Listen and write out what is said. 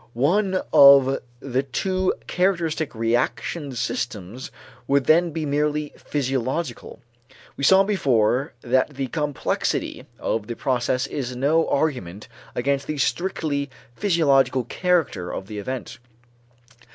One of the two characteristic reaction systems would then be merely physiological. We saw before that the complexity of the process is no argument against the strictly physiological character of the event.